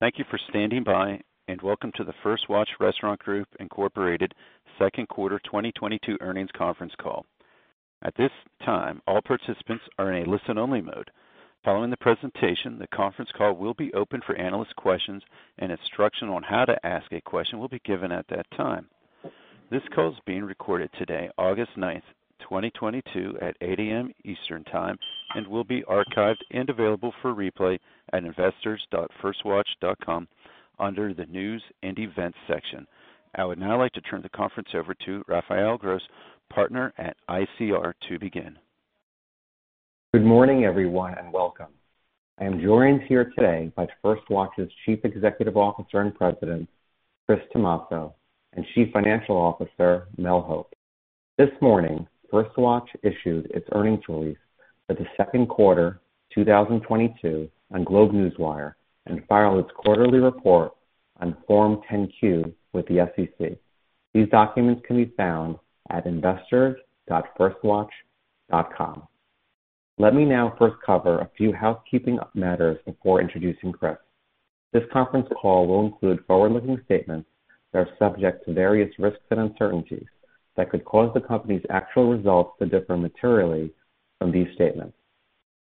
Thank you for standing by, and welcome to the First Watch Restaurant Group, Inc. second quarter 2022 earnings conference call. At this time, all participants are in a listen-only mode. Following the presentation, the conference call will be open for analyst questions and instruction on how to ask a question will be given at that time. This call is being recorded today, August 9, 2022 at 8:00 A.M. Eastern Time and will be archived and available for replay at investors.firstwatch.com under the News and Events section. I would now like to turn the conference over to Raphael Gross, partner at ICR, to begin. Good morning, everyone, and welcome. I am joined here today by First Watch's Chief Executive Officer and President, Chris Tomasso, and Chief Financial Officer, Mel Hope. This morning, First Watch issued its earnings release for the second quarter 2022 on GlobeNewswire and filed its quarterly report on Form 10-Q with the SEC. These documents can be found at investors.firstwatch.com. Let me now first cover a few housekeeping matters before introducing Chris. This conference call will include forward-looking statements that are subject to various risks and uncertainties that could cause the company's actual results to differ materially from these statements.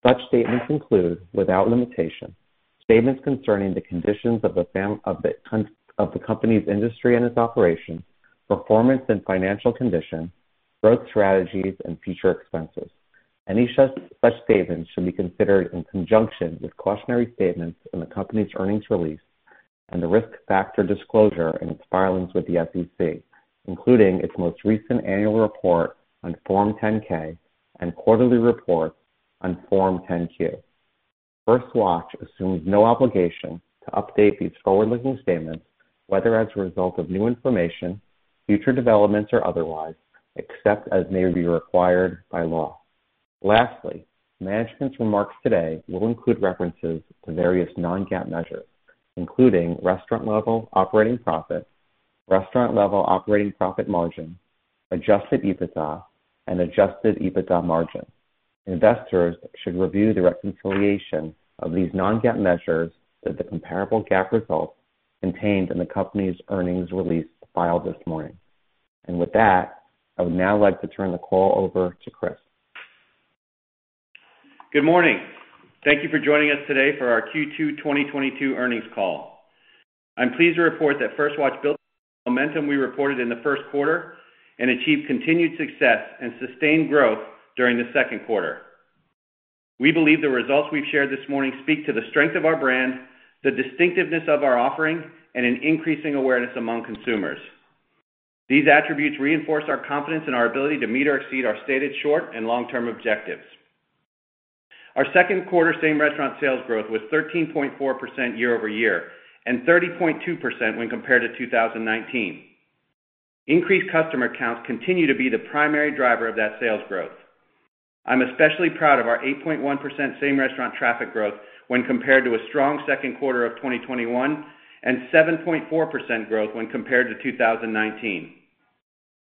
Such statements include, without limitation, statements concerning the conditions of the company's industry and its operations, performance and financial condition, growth strategies and future expenses. Any such statements should be considered in conjunction with cautionary statements in the company's earnings release and the risk factor disclosure in its filings with the SEC, including its most recent annual report on Form 10-K and quarterly report on Form 10-Q. First Watch assumes no obligation to update these forward-looking statements, whether as a result of new information, future developments or otherwise, except as may be required by law. Lastly, management's remarks today will include references to various non-GAAP measures, including restaurant level operating profit, restaurant level operating profit margin, adjusted EBITDA, and adjusted EBITDA margin. Investors should review the reconciliation of these non-GAAP measures with the comparable GAAP results contained in the company's earnings release filed this morning. With that, I would now like to turn the call over to Chris. Good morning. Thank you for joining us today for our Q2 2022 earnings call. I'm pleased to report that First Watch built the momentum we reported in the first quarter and achieved continued success and sustained growth during the second quarter. We believe the results we've shared this morning speak to the strength of our brand, the distinctiveness of our offering, and an increasing awareness among consumers. These attributes reinforce our confidence in our ability to meet or exceed our stated short and long-term objectives. Our second quarter same-restaurant sales growth was 13.4% year-over-year and 30.2 when compared to 2019. Increased customer counts continue to be the primary driver of that sales growth. I'm especially proud of our 8.1% same-restaurant traffic growth when compared to a strong second quarter of 2021 and 7.4% growth when compared to 2019.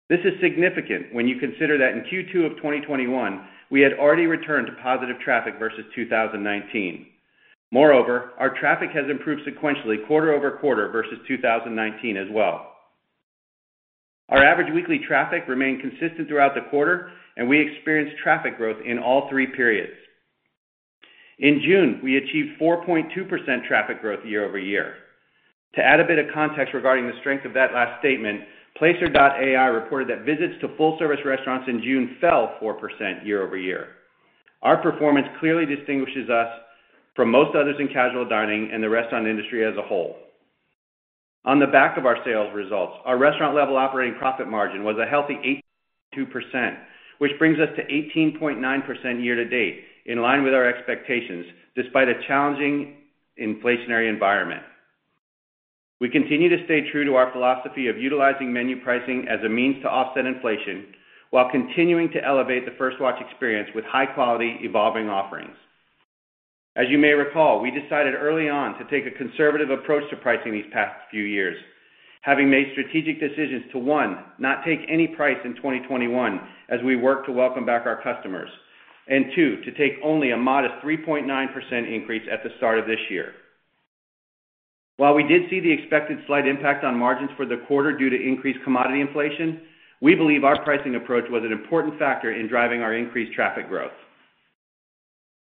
This is significant when you consider that in Q2 of 2021, we had already returned to positive traffic versus 2019. Moreover, our traffic has improved sequentially quarter-over-quarter versus 2019 as well. Our average weekly traffic remained consistent throughout the quarter, and we experienced traffic growth in all three periods. In June, we achieved 4.2% traffic growth year-over-year. To add a bit of context regarding the strength of that last statement, Placer.ai reported that visits to full-service restaurants in June fell 4% year-over-year. Our performance clearly distinguishes us from most others in casual dining and the restaurant industry as a whole. On the back of our sales results, our restaurant level operating profit margin was a healthy 8.2%, which brings us to 18.9% year to date, in line with our expectations despite a challenging inflationary environment. We continue to stay true to our philosophy of utilizing menu pricing as a means to offset inflation while continuing to elevate the First Watch experience with high-quality evolving offerings. As you may recall, we decided early on to take a conservative approach to pricing these past few years, having made strategic decisions to, one, not take any price in 2021 as we work to welcome back our customers, and two, to take only a modest 3.9% increase at the start of this year. While we did see the expected slight impact on margins for the quarter due to increased commodity inflation, we believe our pricing approach was an important factor in driving our increased traffic growth.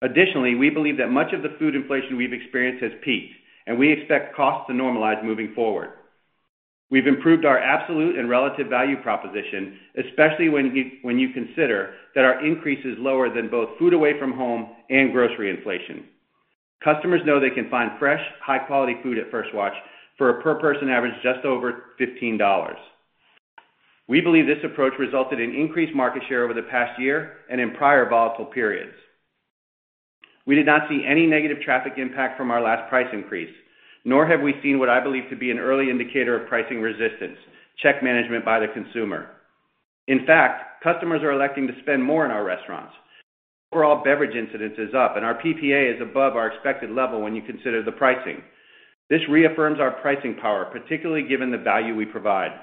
Additionally, we believe that much of the food inflation we've experienced has peaked, and we expect costs to normalize moving forward. We've improved our absolute and relative value proposition, especially when you consider that our increase is lower than both food away from home and grocery inflation. Customers know they can find fresh, high-quality food at First Watch for a per person average just over $15. We believe this approach resulted in increased market share over the past year and in prior volatile periods. We did not see any negative traffic impact from our last price increase, nor have we seen what I believe to be an early indicator of pricing resistance, check management by the consumer. In fact, customers are electing to spend more in our restaurants. Overall beverage incidences up and our PPA is above our expected level when you consider the pricing. This reaffirms our pricing power, particularly given the value we provide.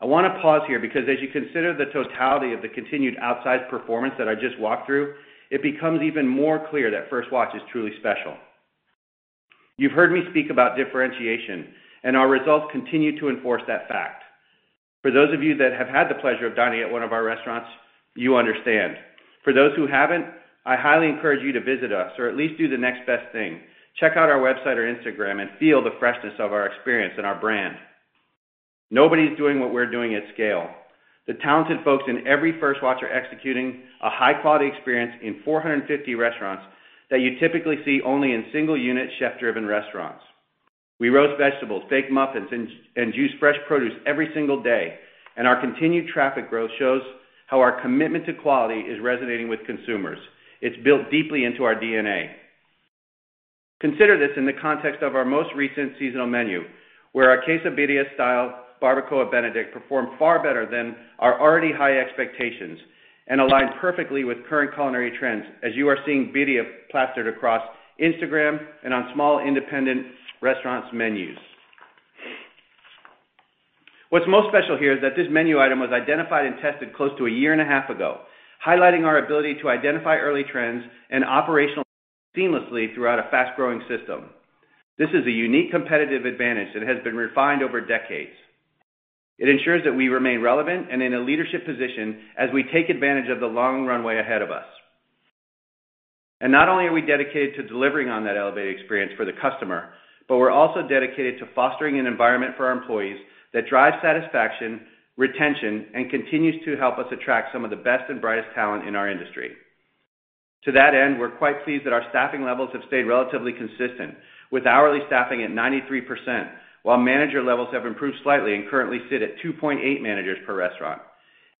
I want to pause here because as you consider the totality of the continued outsized performance that I just walked through, it becomes even more clear that First Watch is truly special. You've heard me speak about differentiation, and our results continue to enforce that fact. For those of you that have had the pleasure of dining at one of our restaurants, you understand. For those who haven't, I highly encourage you to visit us, or at least do the next best thing. Check out our website or Instagram and feel the freshness of our experience and our brand. Nobody's doing what we're doing at scale. The talented folks in every First Watch are executing a high-quality experience in 450 restaurants that you typically see only in single-unit, chef-driven restaurants. We roast vegetables, bake muffins, and use fresh produce every single day, and our continued traffic growth shows how our commitment to quality is resonating with consumers. It's built deeply into our DNA. Consider this in the context of our most recent seasonal menu, where our quesabirria style barbacoa Benedict performed far better than our already high expectations and aligns perfectly with current culinary trends as you are seeing birria plastered across Instagram and on small independent restaurants' menus. What's most special here is that this menu item was identified and tested close to a year and a half ago, highlighting our ability to identify early trends and operate seamlessly throughout a fast-growing system. This is a unique competitive advantage that has been refined over decades. It ensures that we remain relevant and in a leadership position as we take advantage of the long runway ahead of us. Not only are we dedicated to delivering on that elevated experience for the customer, but we're also dedicated to fostering an environment for our employees that drives satisfaction, retention, and continues to help us attract some of the best and brightest talent in our industry. To that end, we're quite pleased that our staffing levels have stayed relatively consistent with hourly staffing at 93%, while manager levels have improved slightly and currently sit at 2.8 managers per restaurant.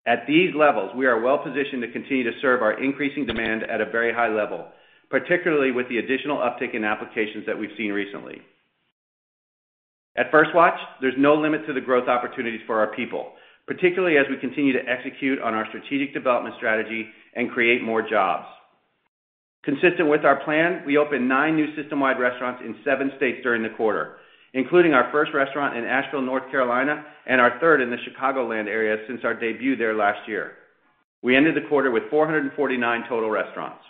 At these levels, we are well positioned to continue to serve our increasing demand at a very high level, particularly with the additional uptick in applications that we've seen recently. At First Watch, there's no limit to the growth opportunities for our people, particularly as we continue to execute on our strategic development strategy and create more jobs. Consistent with our plan, we opened nine new system-wide restaurants in seven states during the quarter, including our first restaurant in Asheville, North Carolina, and our third in the Chicagoland area since our debut there last year. We ended the quarter with 449 total restaurants.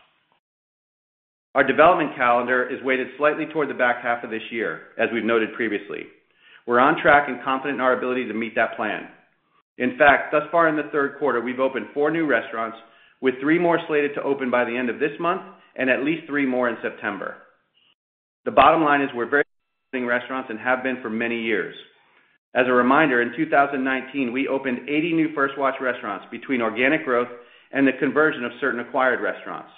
Our development calendar is weighted slightly toward the back half of this year, as we've noted previously. We're on track and confident in our ability to meet that plan. In fact, thus far in the third quarter, we've opened four new restaurants, with three more slated to open by the end of this month and at least three more in September. The bottom line is we're very restaurant-centric and have been for many years. As a reminder, in 2019, we opened 80 new First Watch restaurants between organic growth and the conversion of certain acquired restaurants.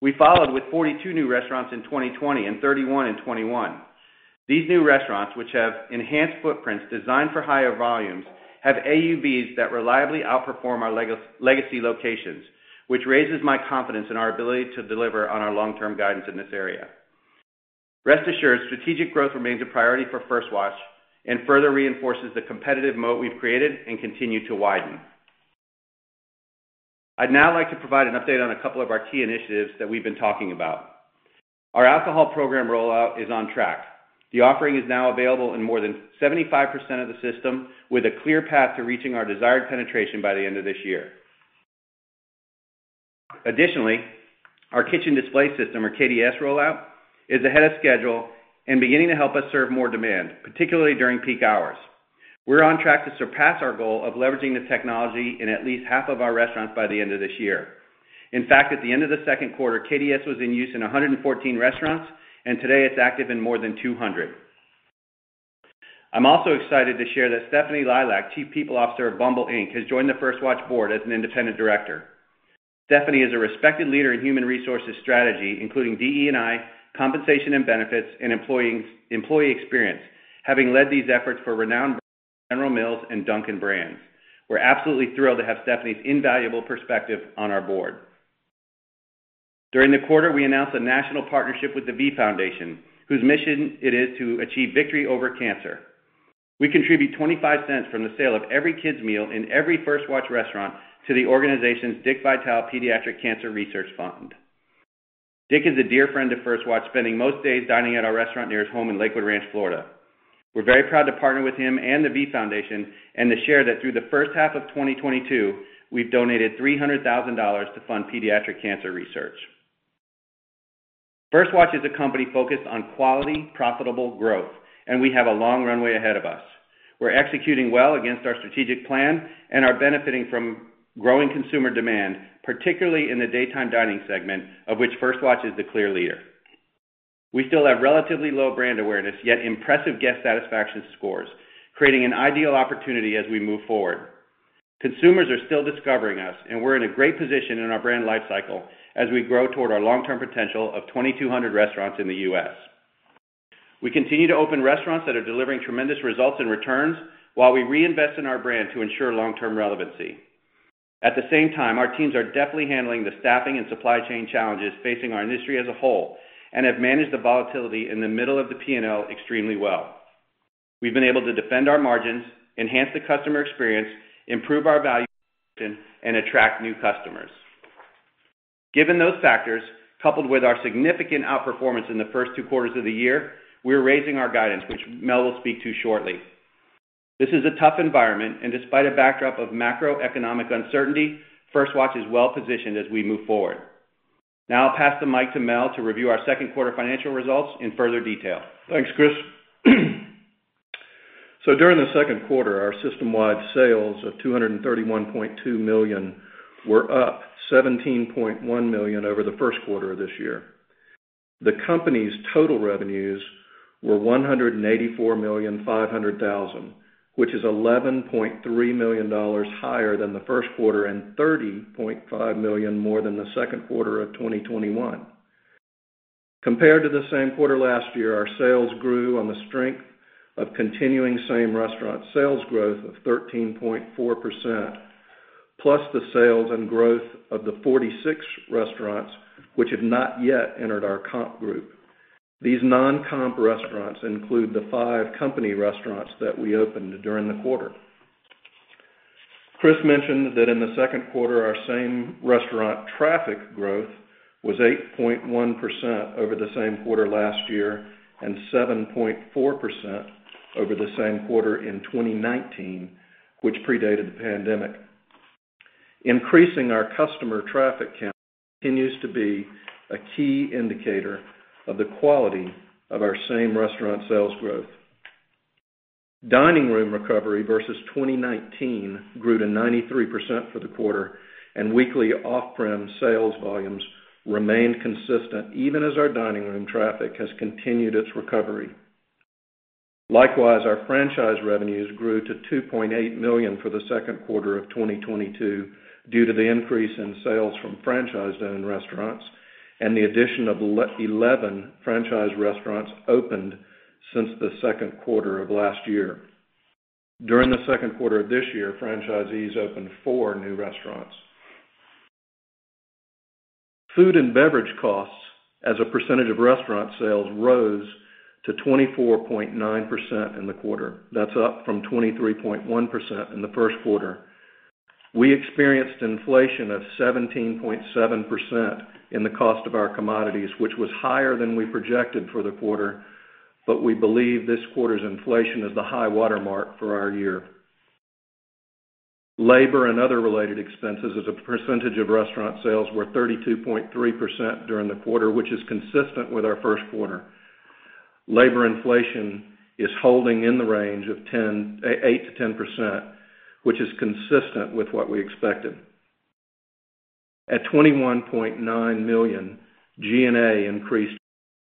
We followed with 42 new restaurants in 2020 and 31 in 2021. These new restaurants, which have enhanced footprints designed for higher volumes, have AUVs that reliably outperform our legacy locations, which raises my confidence in our ability to deliver on our long-term guidance in this area. Rest assured, strategic growth remains a priority for First Watch and further reinforces the competitive moat we've created and continue to widen. I'd now like to provide an update on a couple of our key initiatives that we've been talking about. Our alcohol program rollout is on track. The offering is now available in more than 75% of the system with a clear path to reaching our desired penetration by the end of this year. Additionally, our kitchen display system, or KDS rollout, is ahead of schedule and beginning to help us serve more demand, particularly during peak hours. We're on track to surpass our goal of leveraging the technology in at least half of our restaurants by the end of this year. In fact, at the end of the second quarter, KDS was in use in 114 restaurants, and today it's active in more than 200. I'm also excited to share that Stephanie Lilak, Chief People Officer of Bumble Inc., has joined the First Watch board as an independent director. Stephanie is a respected leader in human resources strategy, including DE&I, compensation and benefits, and employee experience, having led these efforts for renowned General Mills and Dunkin' Brands. We're absolutely thrilled to have Stephanie's invaluable perspective on our board. During the quarter, we announced a national partnership with the V Foundation, whose mission it is to achieve victory over cancer. We contribute $0.25 from the sale of every kids' meal in every First Watch restaurant to the organization's Dick Vitale Pediatric Cancer Research Fund. Dick is a dear friend to First Watch, spending most days dining at our restaurant near his home in Lakewood Ranch, Florida. We're very proud to partner with him and the V Foundation and to share that through the first half of 2022, we've donated $300,000 to fund pediatric cancer research. First Watch is a company focused on quality, profitable growth, and we have a long runway ahead of us. We're executing well against our strategic plan and are benefiting from growing consumer demand, particularly in the daytime dining segment, of which First Watch is the clear leader. We still have relatively low brand awareness, yet impressive guest satisfaction scores, creating an ideal opportunity as we move forward. Consumers are still discovering us, and we're in a great position in our brand lifecycle as we grow toward our long-term potential of 2,200 restaurants in the U.S. We continue to open restaurants that are delivering tremendous results and returns while we reinvest in our brand to ensure long-term relevancy. At the same time, our teams are deftly handling the staffing and supply chain challenges facing our industry as a whole and have managed the volatility in the middle of the P&L extremely well. We've been able to defend our margins, enhance the customer experience, improve our value, and attract new customers. Given those factors, coupled with our significant outperformance in the first two quarters of the year, we're raising our guidance, which Mel will speak to shortly. This is a tough environment, and despite a backdrop of macroeconomic uncertainty, First Watch is well positioned as we move forward. Now I'll pass the mic to Mel to review our second quarter financial results in further detail. Thanks, Chris. During the second quarter, our system-wide sales of $231.2 million were up $17.1 million over the first quarter of this year. The company's total revenues were $184.5 million, which is $11.3 million higher than the first quarter and $30.5 million more than the second quarter of 2021. Compared to the same quarter last year, our sales grew on the strength of continuing same-restaurant sales growth of 13.4%, plus the sales and growth of the 46 restaurants which have not yet entered our comp group. These non-comp restaurants include the five company restaurants that we opened during the quarter. Chris mentioned that in the second quarter, our same restaurant traffic growth was 8.1% over the same quarter last year and 7.4% over the same quarter in 2019, which predated the pandemic. Increasing our customer traffic count continues to be a key indicator of the quality of our same-restaurant sales growth. Dining room recovery versus 2019 grew to 93% for the quarter, and weekly off-prem sales volumes remained consistent even as our dining room traffic has continued its recovery. Likewise, our franchise revenues grew to $2.8 million for the second quarter of 2022 due to the increase in sales from franchise-owned restaurants and the addition of eleven franchise restaurants opened since the second quarter of last year. During the second quarter of this year, franchisees opened four new restaurants. Food and beverage costs as a percentage of restaurant sales rose to 24.9% in the quarter. That's up from 23.1% in the first quarter. We experienced inflation of 17.7% in the cost of our commodities, which was higher than we projected for the quarter, but we believe this quarter's inflation is the high watermark for our year. Labor and other related expenses as a percentage of restaurant sales were 32.3% during the quarter, which is consistent with our first quarter. Labor inflation is holding in the range of 8%-10%, which is consistent with what we expected. At $21.9 million, G&A increased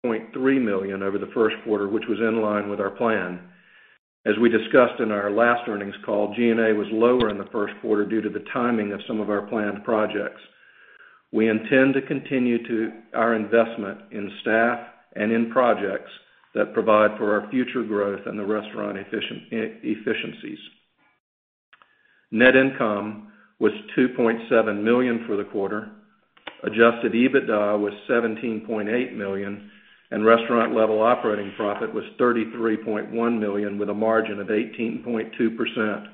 by $0.3 million over the first quarter, which was in line with our plan. As we discussed in our last earnings call, G&A was lower in the first quarter due to the timing of some of our planned projects. We intend to continue to our investment in staff and in projects that provide for our future growth and the restaurant efficiencies. Net income was $2.7 million for the quarter. Adjusted EBITDA was $17.8 million, and restaurant level operating profit was $33.1 million with a margin of 18.2%.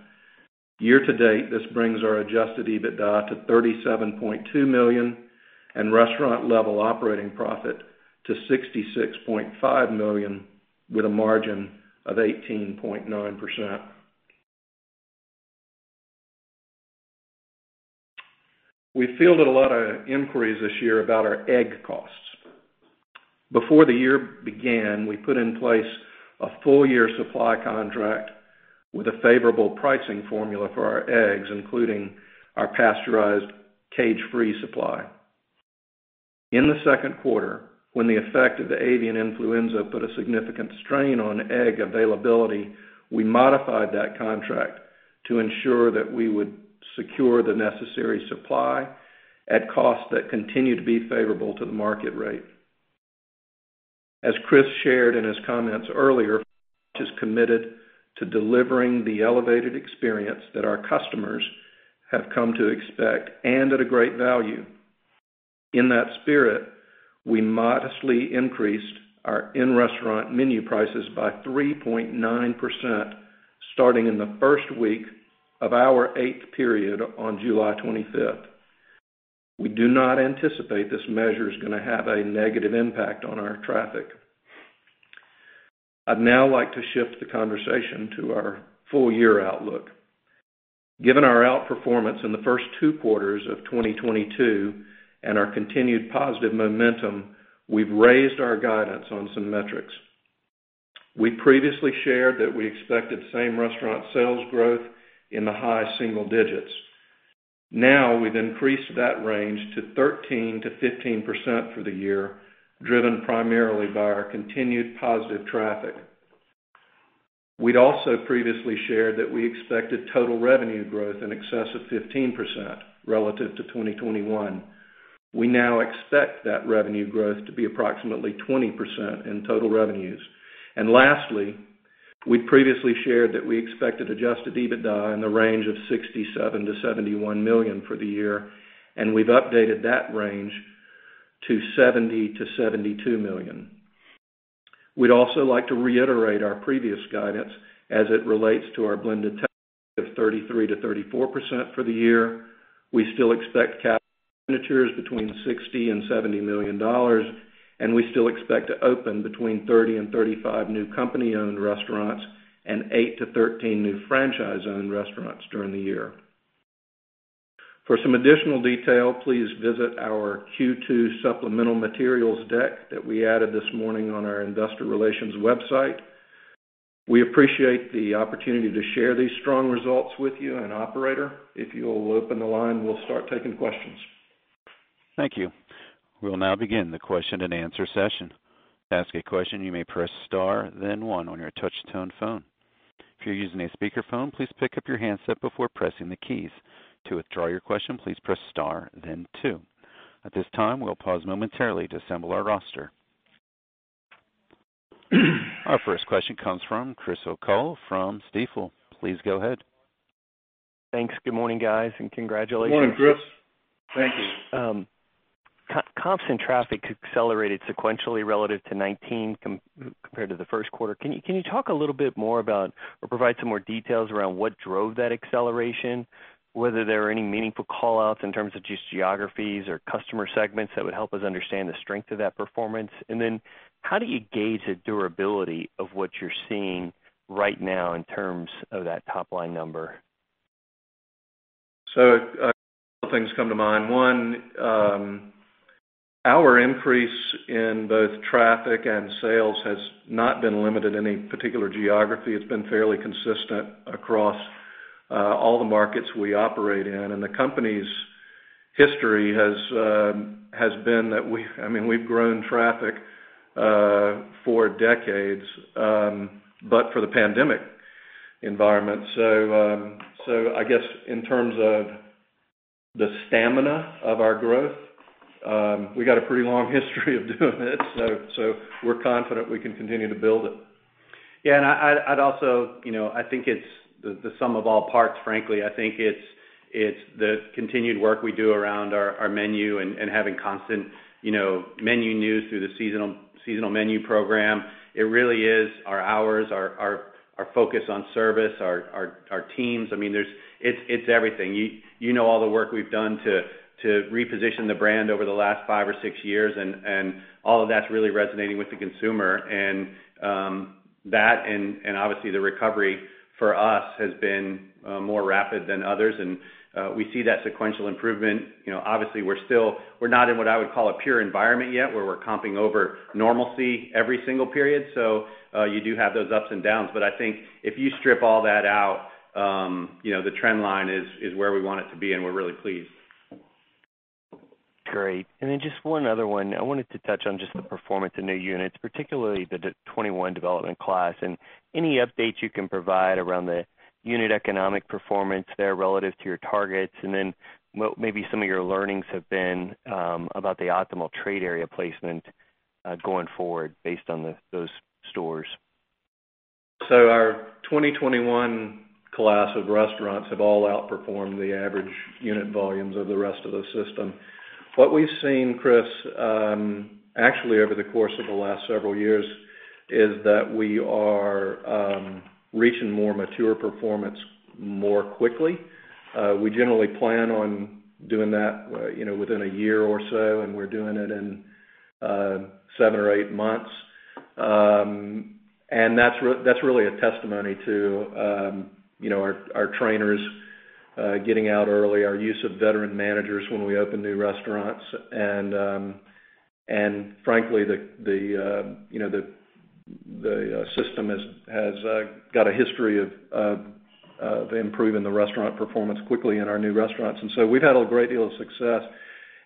Year to date, this brings our adjusted EBITDA to $37.2 million and restaurant level operating profit to $66.5 million with a margin of 18.9%. We fielded a lot of inquiries this year about our egg costs. Before the year began, we put in place a full year supply contract with a favorable pricing formula for our eggs, including our pasteurized cage-free supply. In the second quarter, when the effect of the avian influenza put a significant strain on egg availability, we modified that contract to ensure that we would secure the necessary supply at costs that continue to be favorable to the market rate. As Chris shared in his comments earlier, First Watch is committed to delivering the elevated experience that our customers have come to expect and at a great value. In that spirit, we modestly increased our in-restaurant menu prices by 3.9%, starting in the first week of our eighth period on July 25th. We do not anticipate this measure is gonna have a negative impact on our traffic. I'd now like to shift the conversation to our full year outlook. Given our outperformance in the first two quarters of 2022 and our continued positive momentum, we've raised our guidance on some metrics. We previously shared that we expected same-restaurant sales growth in the high single digits. Now, we've increased that range to 13%-15% for the year, driven primarily by our continued positive traffic. We'd also previously shared that we expected total revenue growth in excess of 15% relative to 2021. We now expect that revenue growth to be approximately 20% in total revenues. Lastly, we'd previously shared that we expected adjusted EBITDA in the range of $67 million-$71 million for the year, and we've updated that range to $70 million-$72 million. We'd also like to reiterate our previous guidance as it relates to our blended tax rate of 33%-34% for the year. We still expect capital expenditures between $60 million and $70 million, and we still expect to open between 30 and 35 new company-owned restaurants and eight to 13 new franchise-owned restaurants during the year. For some additional detail, please visit our Q2 supplemental materials deck that we added this morning on our investor relations website. We appreciate the opportunity to share these strong results with you, and operator, if you'll open the line, we'll start taking questions. Thank you. We'll now begin the question-and-answer session. To ask a question, you may press star then one on your touch-tone phone. If you're using a speakerphone, please pick up your handset before pressing the keys. To withdraw your question, please press star then two. At this time, we'll pause momentarily to assemble our roster. Our first question comes from Chris O'Cull from Stifel. Please go ahead. Thanks. Good morning, guys, and congratulations. Good morning, Chris. Thank you. Comps and traffic accelerated sequentially compared to the first quarter. Can you talk a little bit more about or provide some more details around what drove that acceleration, whether there are any meaningful call-outs in terms of just geographies or customer segments that would help us understand the strength of that performance? How do you gauge the durability of what you're seeing right now in terms of that top-line number? A couple of things come to mind. One, our increase in both traffic and sales has not been limited to any particular geography. It's been fairly consistent across all the markets we operate in. The company's history has been that we've grown traffic for decades, but for the pandemic environment. I guess in terms of the stamina of our growth, we got a pretty long history of doing this. We're confident we can continue to build it. I'd also, you know, I think it's the sum of all parts, frankly. I think it's the continued work we do around our menu and having constant, you know, menu news through the seasonal menu program. It really is our hours, our focus on service, our teams. I mean, it's everything. You know all the work we've done to reposition the brand over the last five or six years, and all of that's really resonating with the consumer. That and obviously the recovery for us has been more rapid than others. We see that sequential improvement. You know, obviously, we're not in what I would call a pure environment yet, where we're comping over normalcy every single period. You do have those ups and downs. I think if you strip all that out, you know, the trend line is where we want it to be, and we're really pleased. Great. Just one other one. I wanted to touch on just the performance in new units, particularly the 2021 development class, and any updates you can provide around the unit economic performance there relative to your targets, and then what maybe some of your learnings have been about the optimal trade area placement going forward based on those stores? Our 2021 class of restaurants have all outperformed the average unit volumes of the rest of the system. What we've seen, Chris, actually over the course of the last several years is that we are reaching more mature performance more quickly. We generally plan on doing that, you know, within a year or so, and we're doing it in seven or eight months. That's really a testimony to you know our trainers getting out early, our use of veteran managers when we open new restaurants. Frankly, the system has got a history of improving the restaurant performance quickly in our new restaurants. We've had a great deal of success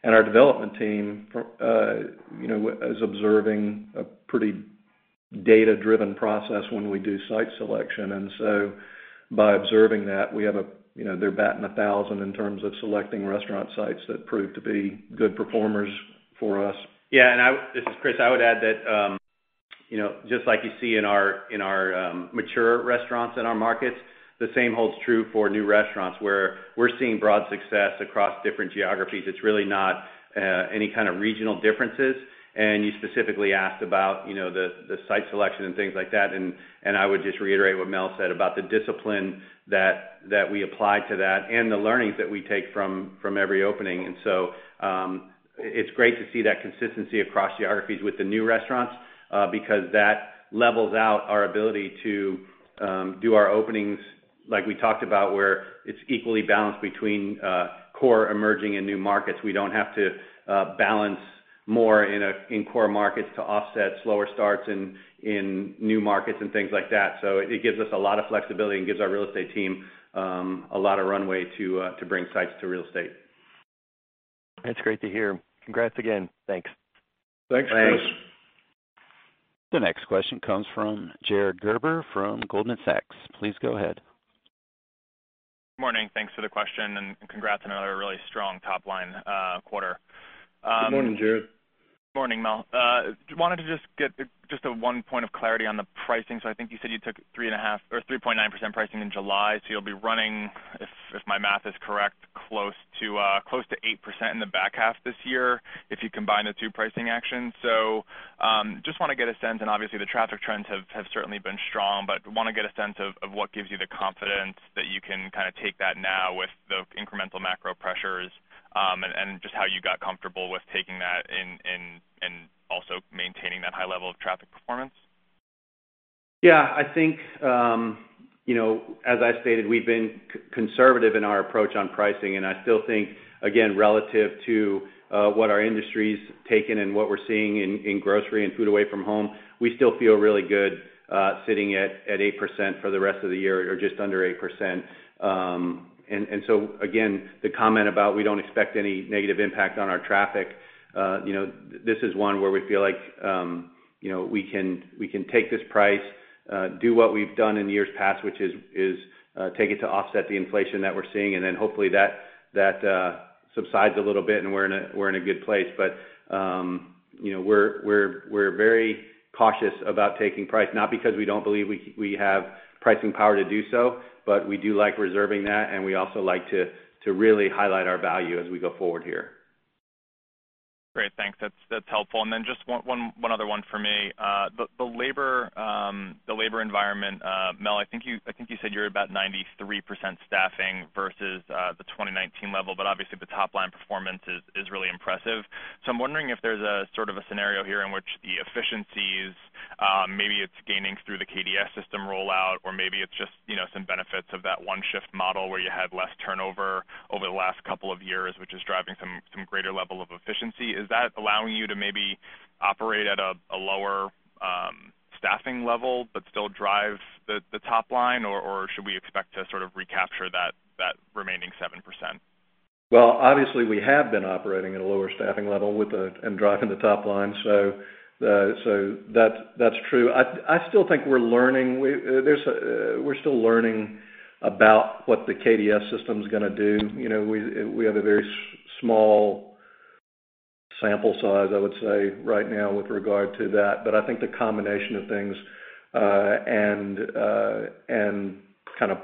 and our development team, you know, is observing a pretty data-driven process when we do site selection. By observing that we have a, you know, they're batting a thousand in terms of selecting restaurant sites that prove to be good performers for us. Yeah. This is Chris. I would add that, you know, just like you see in our mature restaurants in our markets, the same holds true for new restaurants, where we're seeing broad success across different geographies. It's really not any kind of regional differences. You specifically asked about, you know, the site selection and things like that. I would just reiterate what Mel said about the discipline that we apply to that and the learnings that we take from every opening. It's great to see that consistency across geographies with the new restaurants, because that levels out our ability to do our openings like we talked about, where it's equally balanced between core emerging and new markets. We don't have to balance more in core markets to offset slower starts in new markets and things like that. It gives us a lot of flexibility and gives our real estate team a lot of runway to bring sites to real estate. That's great to hear. Congrats again. Thanks. Thanks, Chris. Thanks. The next question comes from Jared Garber from Goldman Sachs. Please go ahead. Morning. Thanks for the question and congrats on another really strong top line, quarter. Good morning, Jared. Morning, Mel. Wanted to get one point of clarity on the pricing. I think you said you took 3.5% or 3.9% pricing in July, so you'll be running, if my math is correct, close to 8% in the back half this year if you combine the two pricing actions. Just wanna get a sense, and obviously the traffic trends have certainly been strong, but wanna get a sense of what gives you the confidence that you can kinda take that now with the incremental macro pressures, and just how you got comfortable with taking that and also maintaining that high level of traffic performance. Yeah, I think, you know, as I stated, we've been conservative in our approach on pricing, and I still think, again, relative to what our industry's taken and what we're seeing in grocery and food away from home, we still feel really good sitting at 8% for the rest of the year or just under 8%. So again, the comment about we don't expect any negative impact on our traffic, you know, this is one where we feel like, you know, we can take this price, do what we've done in years past, which is take it to offset the inflation that we're seeing, and then hopefully that subsides a little bit and we're in a good place. You know, we're very cautious about taking price, not because we don't believe we have pricing power to do so, but we do like reserving that, and we also like to really highlight our value as we go forward here. Great. Thanks. That's helpful. Just one other one for me. The labor environment, Mel, I think you said you're about 93% staffing versus the 2019 level, but obviously the top line performance is really impressive. I'm wondering if there's a sort of a scenario here in which the efficiencies, maybe it's gaining through the KDS system rollout or maybe it's just some benefits of that one shift model where you had less turnover over the last couple of years, which is driving some greater level of efficiency. Is that allowing you to maybe operate at a lower staffing level but still drive the top line, or should we expect to sort of recapture that remaining 7%? Well, obviously, we have been operating at a lower staffing level and driving the top line. That's true. I still think we're learning. We're still learning about what the KDS system's gonna do. You know, we have a very small sample size, I would say, right now with regard to that. But I think the combination of things and kind of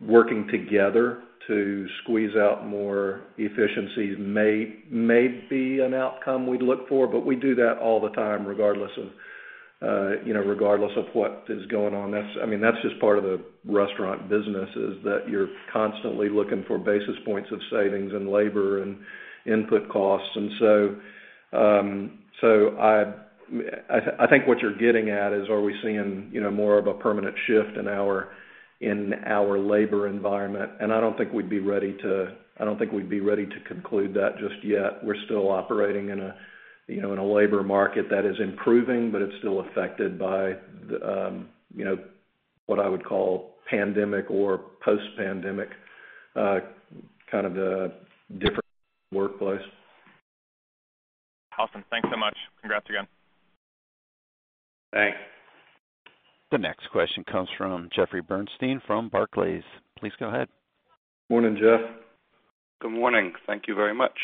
working together to squeeze out more efficiencies may be an outcome we'd look for, but we do that all the time regardless of, you know, regardless of what is going on. I mean, that's just part of the restaurant business, is that you're constantly looking for basis points of savings in labor and input costs. I think what you're getting at is are we seeing, you know, more of a permanent shift in our labor environment, and I don't think we'd be ready to conclude that just yet. We're still operating in a labor market that is improving, but it's still affected by the, you know, what I would call pandemic or post-pandemic kind of a different workplace. Awesome. Thanks so much. Congrats again. Thanks. The next question comes from Jeffrey Bernstein from Barclays. Please go ahead. Morning, Jeff. Good morning. Thank you very much.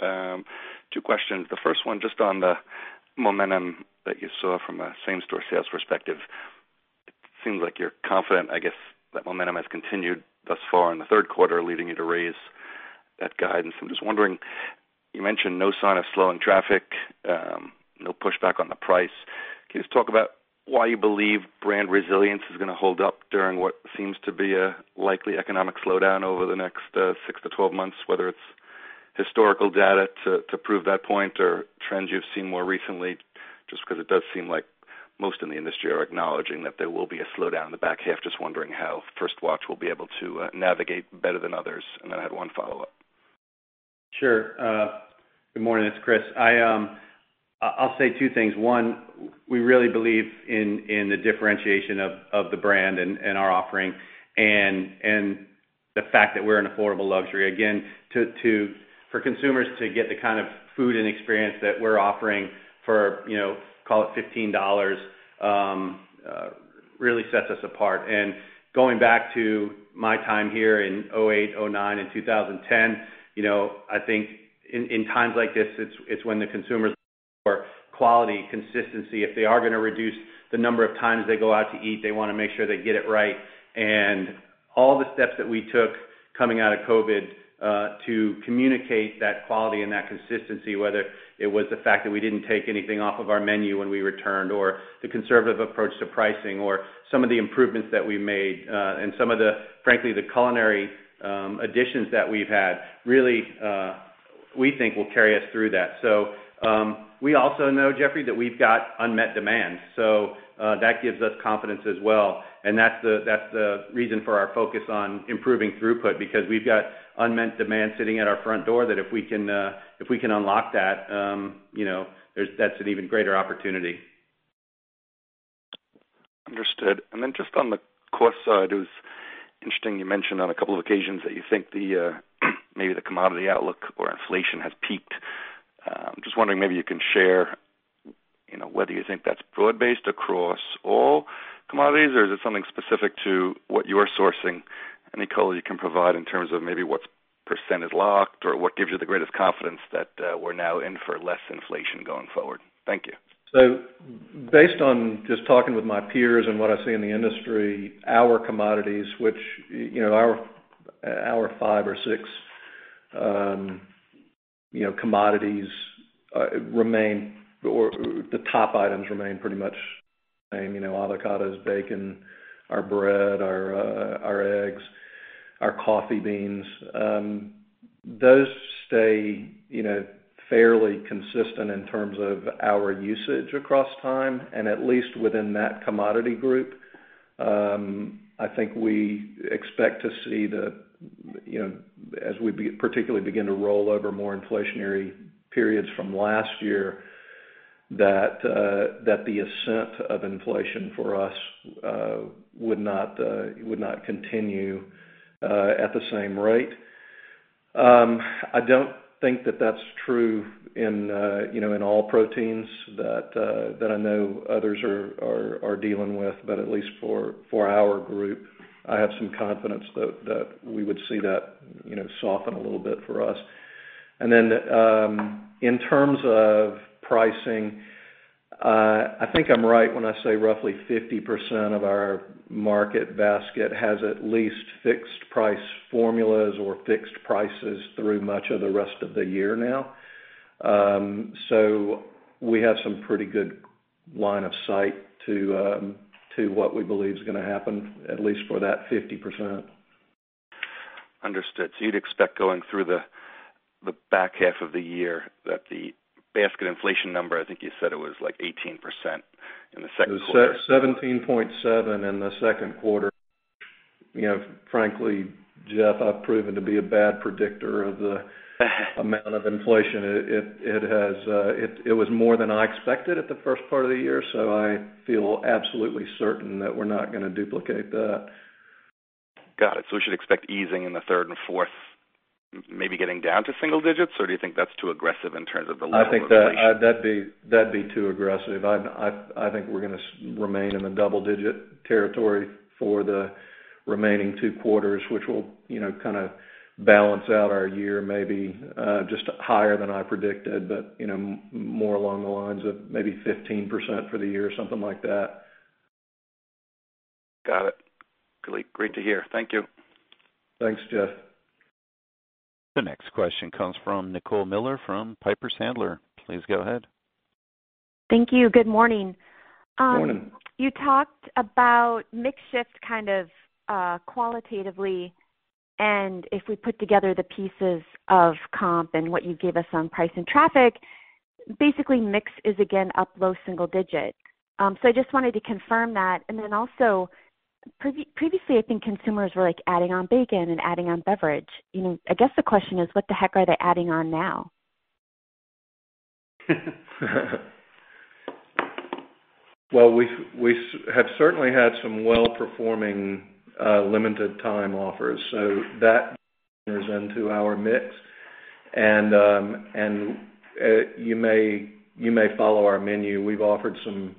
Two questions. The first one just on the momentum that you saw from a same-store sales perspective. It seems like you're confident, I guess, that momentum has continued thus far in the third quarter, leading you to raise that guidance. I'm just wondering, you mentioned no sign of slowing traffic, no pushback on the price. Can you just talk about why you believe brand resilience is gonna hold up during what seems to be a likely economic slowdown over the next, six to 12 months, whether it's historical data to prove that point or trends you've seen more recently? Just 'cause it does seem like most in the industry are acknowledging that there will be a slowdown in the back half. Just wondering how First Watch will be able to navigate better than others. I have one follow-up. Sure. Good morning. It's Chris. I'll say two things. One, we really believe in the differentiation of the brand and our offering and the fact that we're an affordable luxury. Again, for consumers to get the kind of food and experience that we're offering for, you know, call it $15, really sets us apart. Going back to my time here in 2008, 2009, and 2010, you know, I think in times like this, it's when the consumers look for quality, consistency. If they are gonna reduce the number of times they go out to eat, they wanna make sure they get it right. All the steps that we took coming out of COVID to communicate that quality and that consistency, whether it was the fact that we didn't take anything off of our menu when we returned or the conservative approach to pricing or some of the improvements that we made and some of the, frankly, the culinary additions that we've had really, we think will carry us through that. We also know, Jeffrey, that we've got unmet demand. That gives us confidence as well, and that's the reason for our focus on improving throughput, because we've got unmet demand sitting at our front door that if we can unlock that, you know, that's an even greater opportunity. Understood. Just on the cost side, it was interesting you mentioned on a couple of occasions that you think the maybe the commodity outlook or inflation has peaked. Just wondering maybe you can share whether you think that's broad-based across all commodities, or is it something specific to what you're sourcing? Any color you can provide in terms of maybe what percent is locked or what gives you the greatest confidence that we're now in for less inflation going forward? Thank you. Based on just talking with my peers and what I see in the industry, our commodities, which you know our five or six commodities, the top items remain pretty much the same. You know, avocados, bacon, our bread, our eggs, our coffee beans. Those stay, you know, fairly consistent in terms of our usage across time. At least within that commodity group, I think we expect to see the, you know, as we particularly begin to roll over more inflationary periods from last year that the ascent of inflation for us would not continue at the same rate. I don't think that's true in, you know, in all proteins that I know others are dealing with, but at least for our group, I have some confidence that we would see that, you know, soften a little bit for us. In terms of pricing, I think I'm right when I say roughly 50% of our market basket has at least fixed price formulas or fixed prices through much of the rest of the year now. So we have some pretty good line of sight to what we believe is gonna happen, at least for that 50%. Understood. You'd expect going through the back half of the year that the basket inflation number, I think you said it was like 18% in the second quarter. It was 17.7% in the second quarter. You know, frankly, Jeff, I've proven to be a bad predictor of the amount of inflation. It was more than I expected at the first part of the year, so I feel absolutely certain that we're not gonna duplicate that. Got it. We should expect easing in the third and fourth, maybe getting down to single digits, or do you think that's too aggressive in terms of the level of inflation? I think that'd be too aggressive. I think we're gonna remain in the double digit territory for the remaining two quarters, which will, you know, kind of balance out our year, maybe just higher than I predicted, but, you know, more along the lines of maybe 15% for the year, something like that. Got it. Great to hear. Thank you. Thanks, Jeff. The next question comes from Nicole Miller from Piper Sandler. Please go ahead. Thank you. Good morning. Morning. You talked about mix shift kind of qualitatively, and if we put together the pieces of comp and what you gave us on price and traffic, basically mix is again up low single digit. So I just wanted to confirm that. Then also previously, I think consumers were, like, adding on bacon and adding on beverage. You know, I guess the question is, what the heck are they adding on now? Well, we have certainly had some well-performing limited time offers, so that enters into our mix. You may follow our menu. We've offered some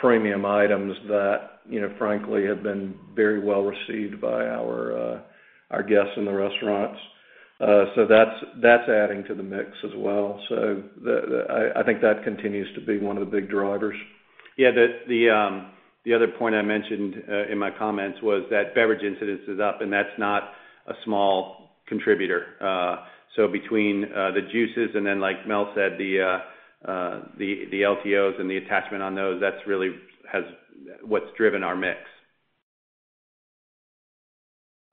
premium items that, you know, frankly have been very well received by our guests in the restaurants. So that's adding to the mix as well. I think that continues to be one of the big drivers. Yeah. The other point I mentioned in my comments was that beverage incidence is up, and that's not a small contributor. Between the juices and then, like Mel said, the LTOs and the attachment on those, that's really what's driven our mix.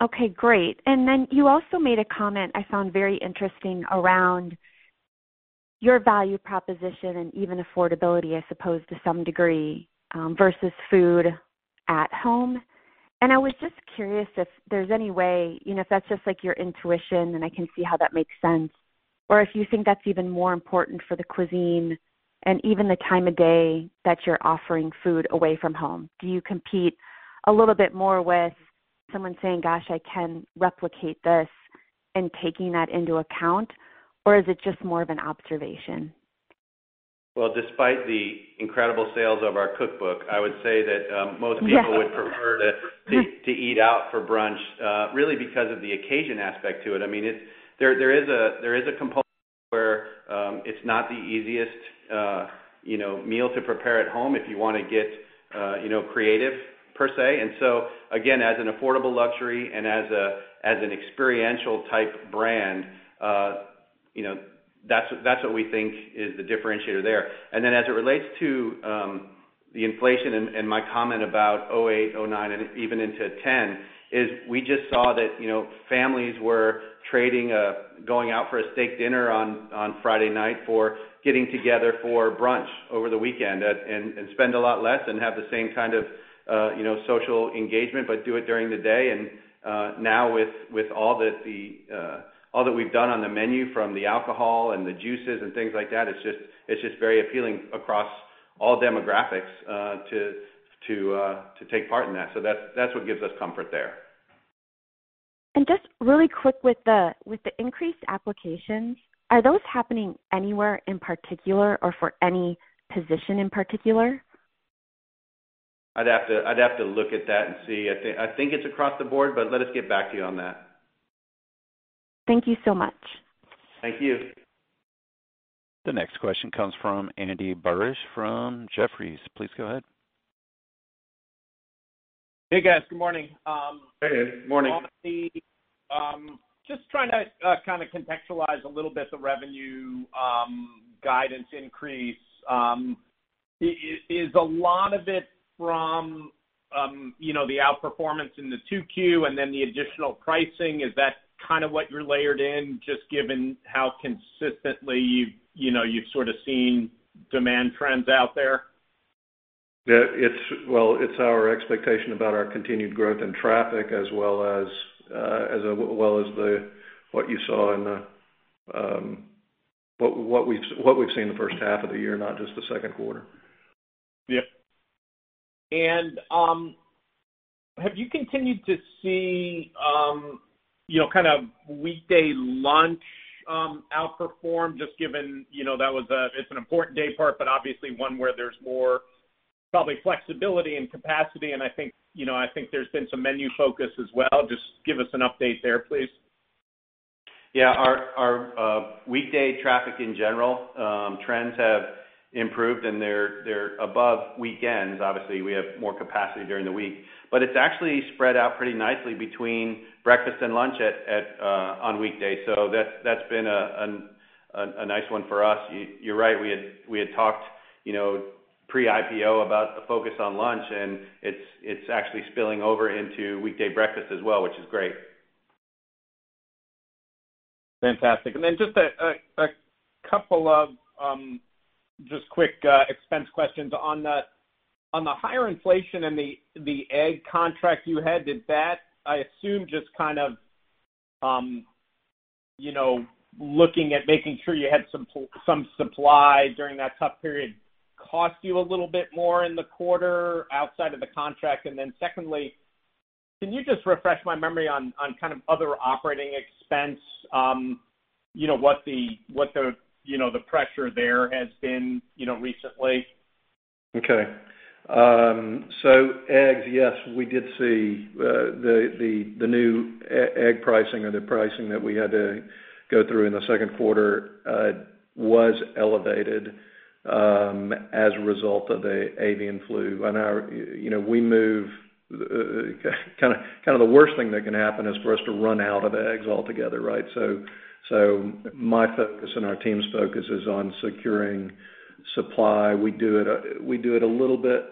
Okay, great. You also made a comment I found very interesting around your value proposition and even affordability, I suppose, to some degree, versus food at home. I was just curious if there's any way, you know, if that's just like your intuition, then I can see how that makes sense. Or if you think that's even more important for the cuisine and even the time of day that you're offering food away from home. Do you compete a little bit more with someone saying, "Gosh, I can replicate this," and taking that into account, or is it just more of an observation? Well, despite the incredible sales of our cookbook, I would say that most people would prefer to eat out for brunch, really because of the occasion aspect to it. I mean, there is a component where it's not the easiest, you know, meal to prepare at home if you wanna get, you know, creative per se. Again, as an affordable luxury and as an experiential type brand, you know, that's what we think is the differentiator there. As it relates to the inflation and my comment about 2008, 2009, and even into 2010, we just saw that, you know, families were trading going out for a steak dinner on Friday night for getting together for brunch over the weekend and spend a lot less and have the same kind of, you know, social engagement, but do it during the day. Now with all that we've done on the menu from the alcohol and the juices and things like that, it's just very appealing across all demographics to take part in that. That's what gives us comfort there. Just really quick with the increased applications, are those happening anywhere in particular or for any position in particular? I'd have to look at that and see. I think it's across the board, but let us get back to you on that. Thank you so much. Thank you. The next question comes from Andy Barish from Jefferies. Please go ahead. Hey, guys. Good morning. Hey. Morning. Just trying to kind of contextualize a little bit the revenue guidance increase. Is a lot of it from, you know, the outperformance in the 2Q and then the additional pricing? Is that kind of what you're layered in, just given how consistently you've, you know, you've sort of seen demand trends out there? Yeah, well, it's our expectation about our continued growth in traffic as well as what we've seen in the first half of the year, not just the second quarter. Yeah. Have you continued to see, you know, kind of weekday lunch outperform, just given, you know, it's an important day part, but obviously one where there's more probably flexibility and capacity and I think, you know, I think there's been some menu focus as well. Just give us an update there, please. Yeah. Our weekday traffic in general trends have improved, and they're above weekends. Obviously, we have more capacity during the week. It's actually spread out pretty nicely between breakfast and lunch on weekdays. That's been a nice one for us. You're right. We had talked, you know, pre-IPO about the focus on lunch, and it's actually spilling over into weekday breakfast as well, which is great. Fantastic. Just a couple of quick expense questions. On the higher inflation and the egg contract you had, did that, I assume, just kind of, you know, looking at making sure you had some supply during that tough period cost you a little bit more in the quarter outside of the contract? Secondly, can you just refresh my memory on kind of other operating expense, you know, what the pressure there has been, you know, recently? Okay. So eggs, yes, we did see the new egg pricing or the pricing that we had to go through in the second quarter was elevated as a result of the avian flu. You know, the worst thing that can happen is for us to run out of eggs altogether, right? My focus and our team's focus is on securing supply. We do it a little bit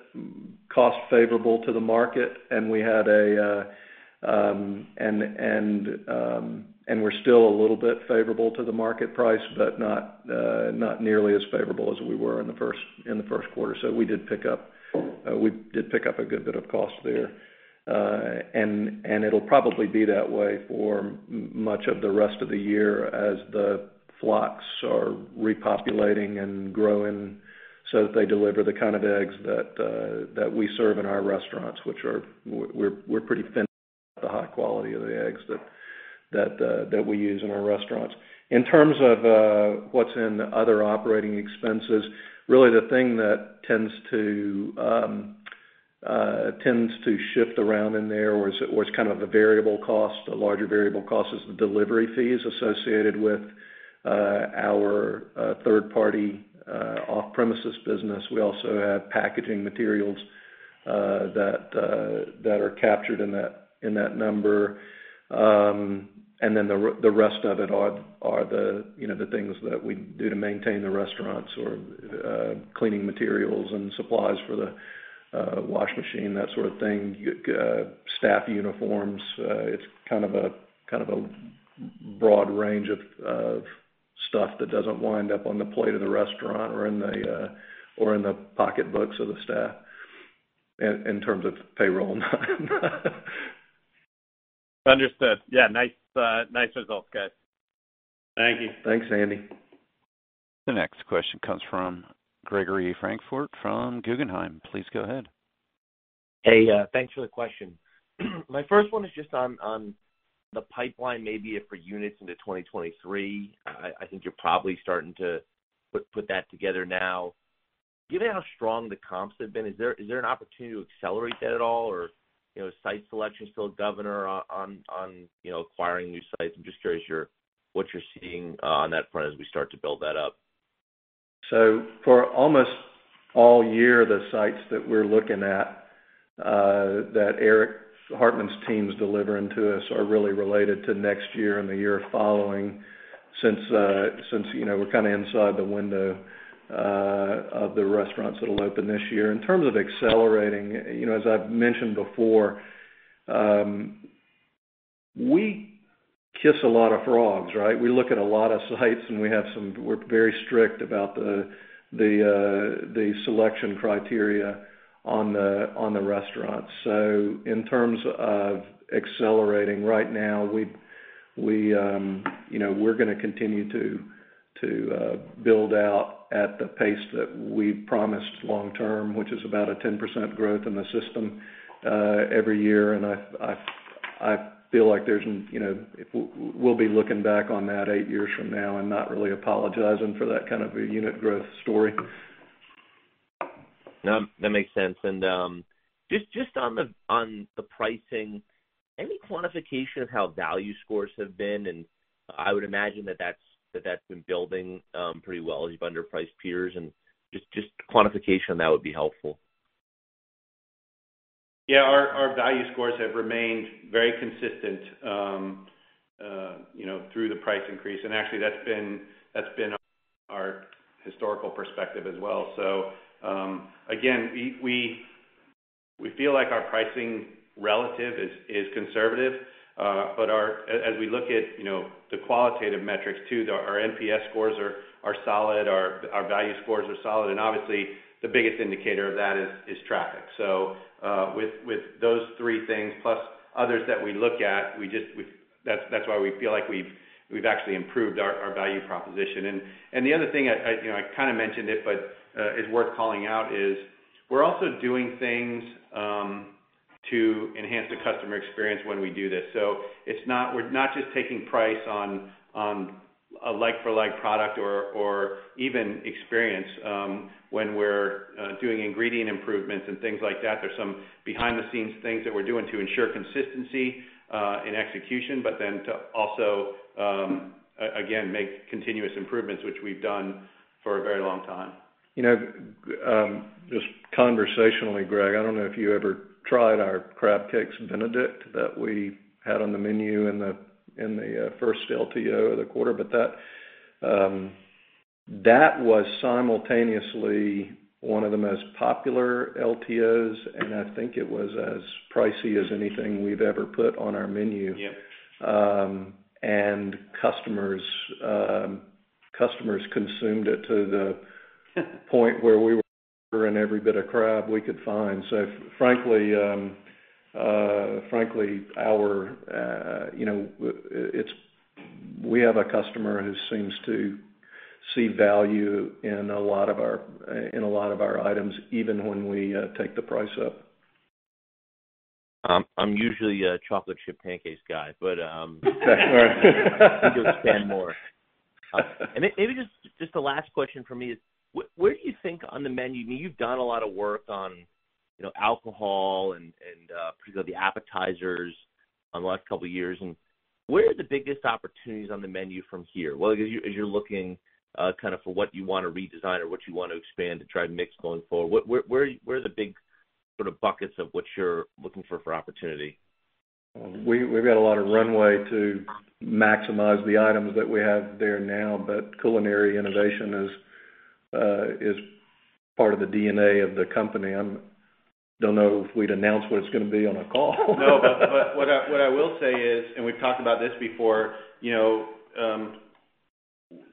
cost favorable to the market, and we're still a little bit favorable to the market price, but not nearly as favorable as we were in the first quarter. We did pick up a good bit of cost there. It'll probably be that way for much of the rest of the year as the flocks are repopulating and growing so that they deliver the kind of eggs that we serve in our restaurants. We're pretty finicky about the high quality of the eggs that we use in our restaurants. In terms of what's in other operating expenses, really the thing that tends to shift around in there or is kind of a variable cost, a larger variable cost is the delivery fees associated with our third-party off-premises business. We also have packaging materials that are captured in that number. the rest of it are the, you know, the things that we do to maintain the restaurants or cleaning materials and supplies for the washing machine, that sort of thing, staff uniforms. It's kind of a broad range of stuff that doesn't wind up on the plate of the restaurant or in the pocketbooks of the staff in terms of payroll. Understood. Yeah. Nice results, guys. Thank you. Thanks, Andy. The next question comes from Gregory Francfort from Guggenheim. Please go ahead. Hey. Thanks for the question. My first one is just on the pipeline maybe for units into 2023. I think you're probably starting to put that together now. Given how strong the comps have been, is there an opportunity to accelerate that at all? Or, you know, is site selection still a governor on you know, acquiring new sites? I'm just curious what you're seeing on that front as we start to build that up. For almost all year, the sites that we're looking at that Eric Hartman's team is delivering to us are really related to next year and the year following since you know we're kind of inside the window of the restaurants that'll open this year. In terms of accelerating, you know, as I've mentioned before, we kiss a lot of frogs, right? We look at a lot of sites, and we're very strict about the selection criteria on the restaurants. In terms of accelerating right now, we don't. You know, we're gonna continue to build out at the pace that we promised long term, which is about a 10% growth in the system every year. I feel like there's, you know, we'll be looking back on that eight years from now and not really apologizing for that kind of a unit growth story. No, that makes sense. Just on the pricing, any quantification of how value scores have been, and I would imagine that's been building pretty well as you've underpriced peers and just quantification on that would be helpful. Yeah, our value scores have remained very consistent, you know, through the price increase. Actually that's been our historical perspective as well. Again, we feel like our pricing relative is conservative. But as we look at, you know, the qualitative metrics too, our NPS scores are solid. Our value scores are solid, and obviously, the biggest indicator of that is traffic. With those three things plus others that we look at, that's why we feel like we've actually improved our value proposition. The other thing, you know, I kinda mentioned it, but is worth calling out is we're also doing things to enhance the customer experience when we do this. It's not. We're not just taking price on a like-for-like product or even experience, when we're doing ingredient improvements and things like that. There's some behind-the-scenes things that we're doing to ensure consistency in execution, but then to also again make continuous improvements, which we've done for a very long time. You know, just conversationally, Greg, I don't know if you ever tried our Crab Cake Benedict that we had on the menu in the first LTO of the quarter, but that was simultaneously one of the most popular LTOs, and I think it was as pricey as anything we've ever put on our menu. Yep. Customers consumed it to the point where we were ordering every bit of crab we could find. Frankly, you know, we have a customer who seems to see value in a lot of our items, even when we take the price up. I'm usually a chocolate chip pancakes guy, but I think I'll spend more. Maybe just the last question from me is: Where do you think on the menu, you've done a lot of work on, you know, alcohol and particularly the appetizers on the last couple of years. Where are the biggest opportunities on the menu from here? Well, as you're looking kind of for what you wanna redesign or what you want to expand to try to mix going forward, where are the big sort of buckets of what you're looking for for opportunity? We've got a lot of runway to maximize the items that we have there now, but culinary innovation is part of the DNA of the company. Don't know if we'd announce what it's gonna be on a call. No, but what I will say is, and we've talked about this before, you know,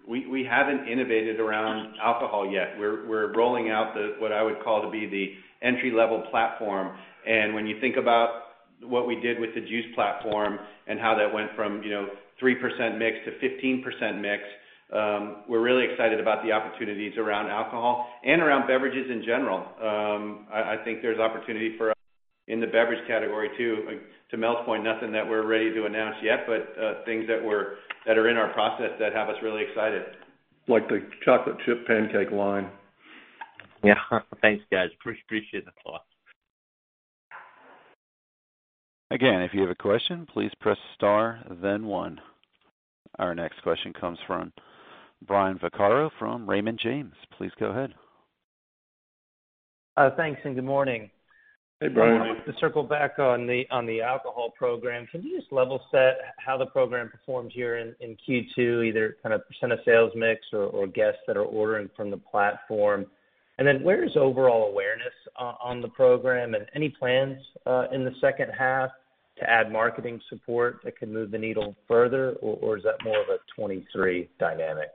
we haven't innovated around alcohol yet. We're rolling out the, what I would call to be the entry-level platform. When you think about what we did with the juice platform and how that went from, you know, 3% mix to 15% mix, we're really excited about the opportunities around alcohol and around beverages in general. I think there's opportunity for us in the beverage category too. To Mel's point, nothing that we're ready to announce yet, but things that are in our process that have us really excited. Like the chocolate chip pancake line. Yeah. Thanks, guys. Appreciate the call. Again, if you have a question, please press star then one. Our next question comes from Brian Vaccaro from Raymond James. Please go ahead. Thanks, and good morning. Hey, Brian. Hey. To circle back on the alcohol program, can you just level set how the program performed here in Q2, either kind of percent of sales mix or guests that are ordering from the platform? Where is overall awareness on the program? Any plans in the second half to add marketing support that can move the needle further, or is that more of a 2023 dynamic?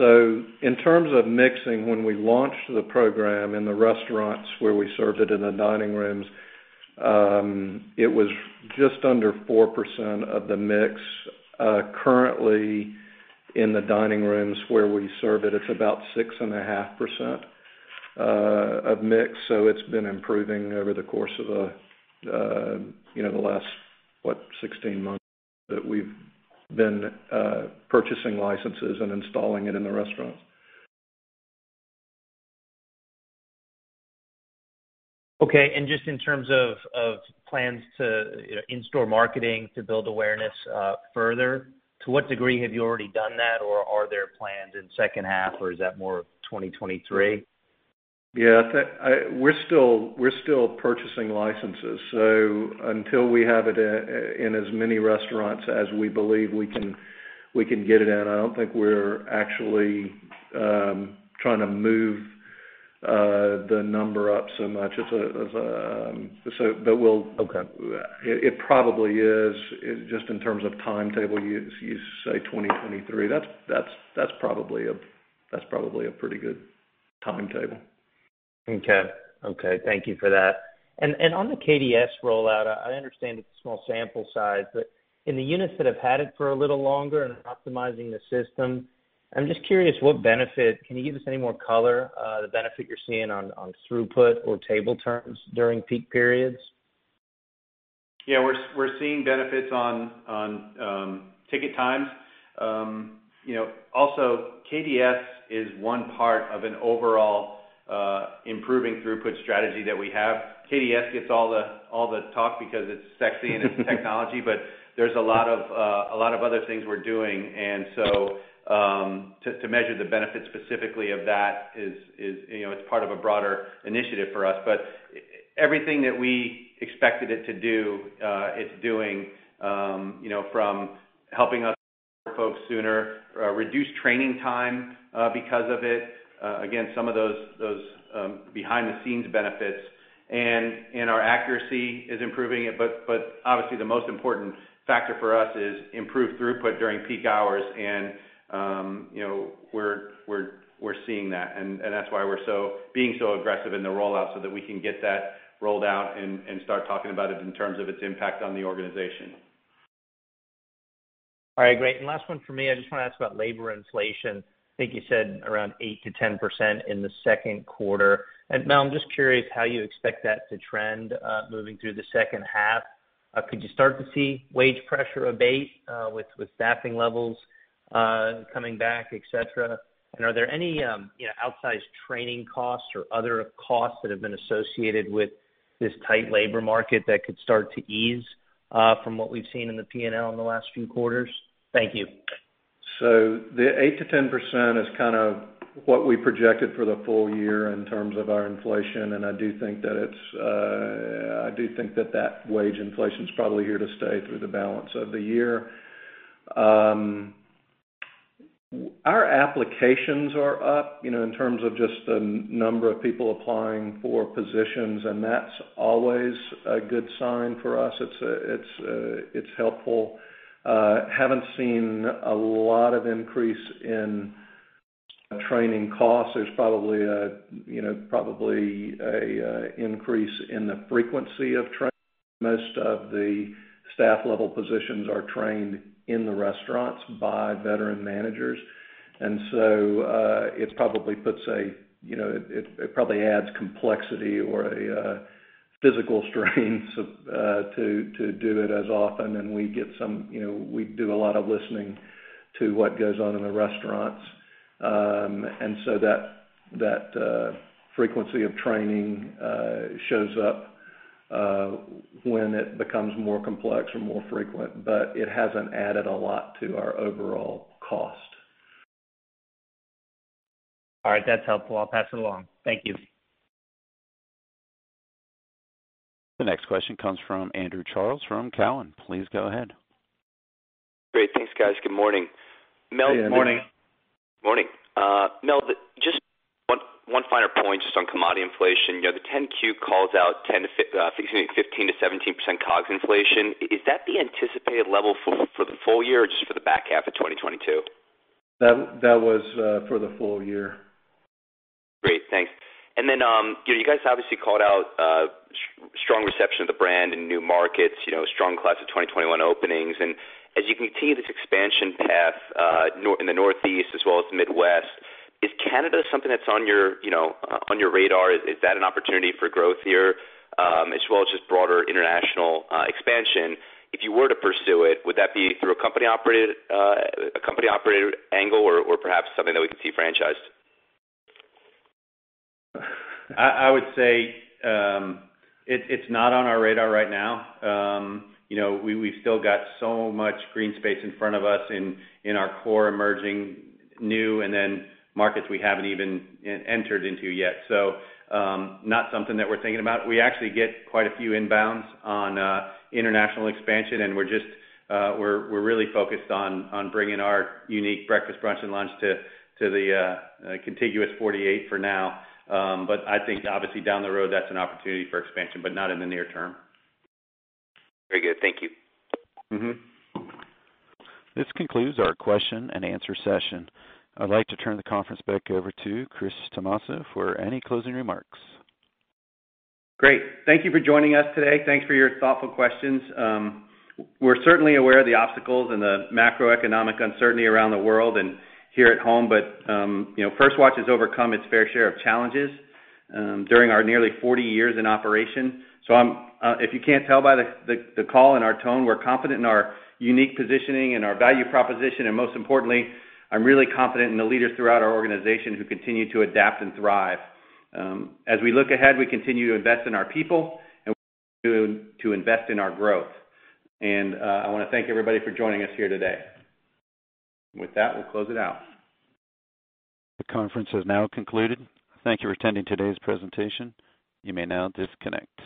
In terms of mixing, when we launched the program in the restaurants where we served it in the dining rooms, it was just under 4% of the mix. Currently in the dining rooms where we serve it's about 6.5% of mix. It's been improving over the course of you know the last what 16 months that we've been purchasing licenses and installing it in the restaurants. Okay. Just in terms of plans to, you know, in-store marketing to build awareness, further, to what degree have you already done that? Or are there plans in second half, or is that more 2023? Yeah, I think we're still purchasing licenses. Until we have it in as many restaurants as we believe we can get it in, I don't think we're actually trying to move the number up so much. Okay. It probably is. Just in terms of timetable, you say 2023. That's probably a pretty good timetable. Okay, thank you for that. On the KDS rollout, I understand it's a small sample size, but in the units that have had it for a little longer and optimizing the system, I'm just curious what benefit. Can you give us any more color, the benefit you're seeing on throughput or table turns during peak periods? Yeah. We're seeing benefits on ticket times. You know, also KDS is one part of an overall improving throughput strategy that we have. KDS gets all the talk because it's sexy and it's technology. But there's a lot of other things we're doing. To measure the benefits specifically of that is, you know, it's part of a broader initiative for us. But everything that we expected it to do, it's doing, you know, from helping us folks sooner, reduce training time because of it, again, some of those behind the scenes benefits and our accuracy is improving. But obviously the most important factor for us is improved throughput during peak hours. You know, we're seeing that and that's why we're being so aggressive in the rollout so that we can get that rolled out and start talking about it in terms of its impact on the organization. All right, great. Last one for me. I just wanna ask about labor inflation. I think you said around 8%-10% in the second quarter. Mel, I'm just curious how you expect that to trend moving through the second half. Could you start to see wage pressure abate with staffing levels coming back, et cetera? Are there any, you know, outsized training costs or other costs that have been associated with this tight labor market that could start to ease from what we've seen in the P&L in the last few quarters? Thank you. The 8%-10% is kind of what we projected for the full year in terms of our inflation. I do think that wage inflation is probably here to stay through the balance of the year. Our applications are up, you know, in terms of just the number of people applying for positions, and that's always a good sign for us. It's helpful. Haven't seen a lot of increase in training costs. There's probably an increase in the frequency of training. Most of the staff level positions are trained in the restaurants by veteran managers. It probably adds complexity or a physical strain to do it as often. you know, we do a lot of listening to what goes on in the restaurants. That frequency of training shows up when it becomes more complex or more frequent, but it hasn't added a lot to our overall cost. All right, that's helpful. I'll pass it along. Thank you. The next question comes from Andrew Charles from Cowen. Please go ahead. Great. Thanks, guys. Good morning. Hey, Andrew. Morning. Mel, just one final point just on commodity inflation. You know, the 10-Q calls out 15%-17% COGS inflation. Is that the anticipated level for the full year or just for the back half of 2022? That was for the full year. Great, thanks. You know, you guys obviously called out strong reception of the brand in new markets, you know, strong class of 2021 openings. As you continue this expansion path in the Northeast as well as Midwest, is Canada something that's on your, you know, on your radar? Is that an opportunity for growth here? As well as just broader international expansion. If you were to pursue it, would that be through a company operated angle or perhaps something that we could see franchised? I would say it's not on our radar right now. You know, we've still got so much green space in front of us in our core emerging new and then markets we haven't even entered into yet. Not something that we're thinking about. We actually get quite a few inbounds on international expansion, and we're just really focused on bringing our unique breakfast, brunch, and lunch to the contiguous 48 for now. I think obviously down the road that's an opportunity for expansion, but not in the near term. Very good. Thank you. Mm-hmm. This concludes our question and answer session. I'd like to turn the conference back over to Chris Tomasso for any closing remarks. Great. Thank you for joining us today. Thanks for your thoughtful questions. We're certainly aware of the obstacles and the macroeconomic uncertainty around the world and here at home, but you know, First Watch has overcome its fair share of challenges during our nearly 40 years in operation. If you can't tell by the call and our tone, we're confident in our unique positioning and our value proposition, and most importantly, I'm really confident in the leaders throughout our organization who continue to adapt and thrive. As we look ahead, we continue to invest in our people and to invest in our growth. I wanna thank everybody for joining us here today. With that, we'll close it out. The conference has now concluded. Thank you for attending today's presentation. You may now disconnect.